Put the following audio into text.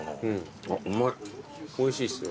おいしいですね。